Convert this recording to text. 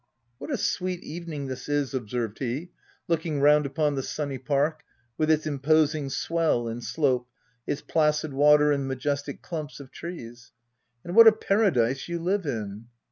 " What a sweet evening this is l n observed he, looking round upon the sunny park, with its imposing swell and slope, its placid water, and majestic clumps of trees. u And what a paradise you live in